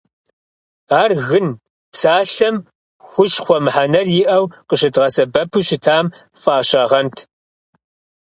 Ар «гын» псалъэм «хущхъуэ» мыхьэнэр иӏэу къыщыдгъэсэбэпу щытам фӏащагъэнт.